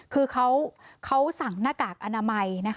คือเขาสั่งหน้ากากอนามัย